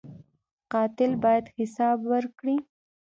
قاتل باید حساب ورکړي